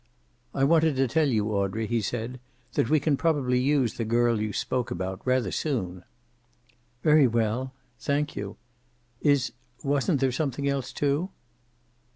"I wanted to tell you, Audrey," he said, "that we can probably use the girl you spoke about, rather soon." "Very well. Thank you. Is wasn't there something else, too?"